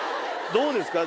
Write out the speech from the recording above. どうですか？